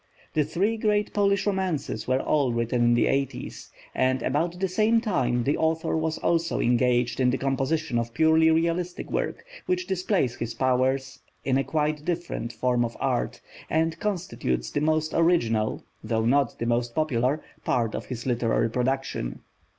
The three great Polish romances were all written in the eighties; and at about the same time the author was also engaged in the composition of purely realistic work, which displays his powers in a quite different form of art, and constitutes the most original though not the most popular part of his literary production.